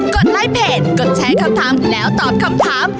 ดไลค์เพจกดแชร์คำถามแล้วตอบคำถาม